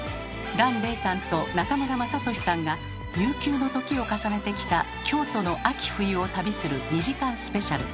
檀れいさんと中村雅俊さんが悠久の時を重ねてきた京都の秋冬を旅する２時間スペシャル。